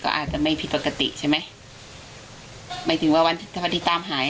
ก็อาจจะไม่ผิดปกติใช่ไหมหมายถึงว่าวันที่ตามหาย